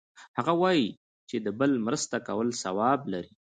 هغه وایي چې د بل مرسته کول ثواب لری